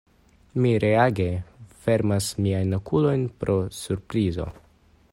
Mi reage fermas miajn okulojn pro surprizo.